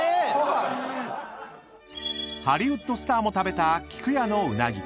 ［ハリウッドスターも食べた菊屋のうなぎ］